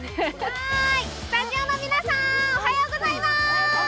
スタジオの皆さん、おはようございます。